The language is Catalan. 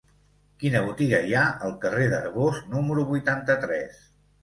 Quina botiga hi ha al carrer d'Arbós número vuitanta-tres?